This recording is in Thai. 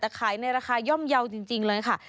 แต่ขายในราคาย่อมเยาว์จริงเลยค่ะ